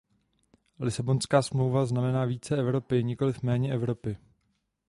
Lisabonská smlouva znamená více Evropy, nikoli méně Evropy.